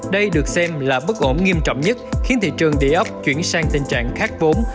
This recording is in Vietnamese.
đây được xem là bất ổn nghiêm trọng nhất khiến thị trường đề ốc chuyển sang tình trạng khác vốn